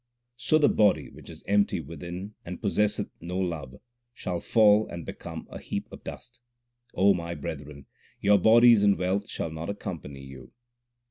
So the body which is empty within and possesseth no love, shall fall and become a heap of dust. O my brethren, your bodies and wealth shall not accompany you.